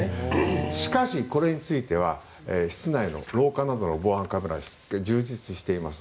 しかし、これについては室内の、廊下などの防犯カメラは充実しています。